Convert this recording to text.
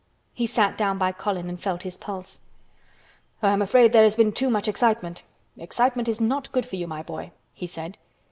He sat down by Colin and felt his pulse. "I am afraid there has been too much excitement. Excitement is not good for you, my boy," he said.